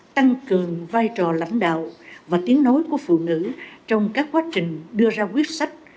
tăng cường vai trò lãnh đạo và tiếng nói của phụ nữ trong các quá trình đưa ra quyết sách